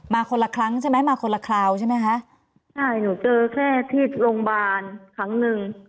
คนละครั้งใช่ไหมมาคนละคราวใช่ไหมคะใช่หนูเจอแค่ที่โรงพยาบาลครั้งหนึ่ง